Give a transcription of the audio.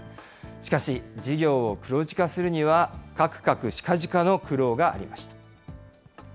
しかし、事業を黒字化するには、かくかくしかじかの苦労がありました。